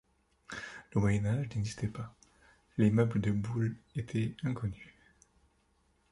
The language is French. Le moyen âge n'existait pas, les meubles de Boule étaient inconnus.